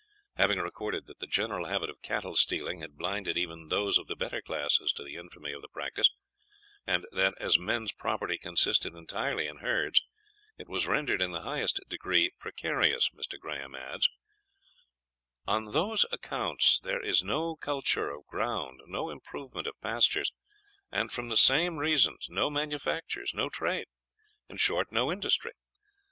Having recorded that the general habit of cattle stealing had blinded even those of the better classes to the infamy of the practice, and that as men's property consisted entirely in herds, it was rendered in the highest degree precarious, Mr. Grahame adds "On these accounts there is no culture of ground, no improvement of pastures, and from the same reasons, no manufactures, no trade; in short, no industry.